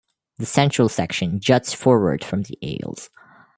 The central section juts forward from the aisles.